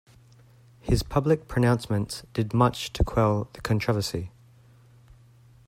His public pronouncements did much to quell the controversy.